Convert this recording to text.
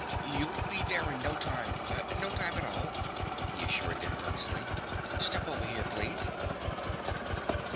"You'll be there in no time, no time at all," he assured them earnestly. "Step over here, please."